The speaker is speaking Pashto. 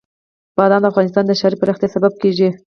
بادام د افغانستان د ښاري پراختیا سبب کېږي.